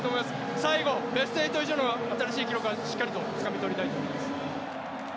最後、ベスト１６以上の結果をしっかりとつかみとりたいと思います。